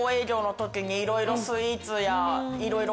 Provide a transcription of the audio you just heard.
いろいろスイーツやいろいろ。